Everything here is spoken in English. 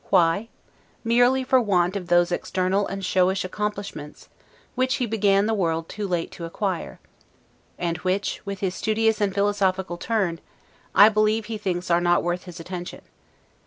Why? Merely for want of those external and showish accomplishments, which he began the world too late to acquire; and which, with his studious and philosophical turn, I believe he thinks are not worth his attention.